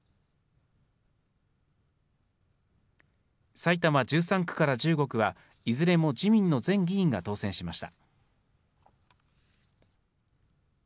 埼玉１３区から１５区は、いずれも自民の前議員が当選しました。